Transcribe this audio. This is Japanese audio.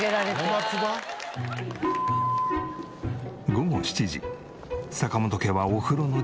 午後７時坂本家はお風呂の時間。